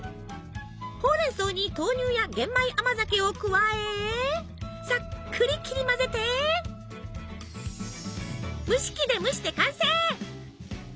ほうれん草に豆乳や玄米甘酒を加えさっくり切り混ぜて蒸し器で蒸して完成！